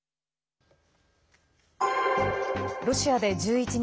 ロシアで１１日